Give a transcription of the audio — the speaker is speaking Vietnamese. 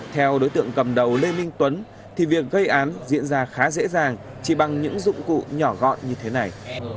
theo đối tượng cầm đầu lê minh tuấn thì việc gây án diễn ra khá dễ dàng chỉ bằng những dụng cụ nhỏ gọn như thế này